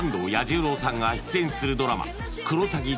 彌十郎さんが出演するドラマ「クロサギ」